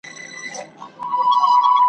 نظرمات ته یې په کار یو ګوندي راسي `